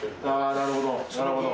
なるほど。